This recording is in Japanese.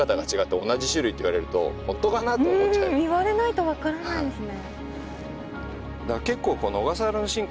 うん言われないと分からないですね。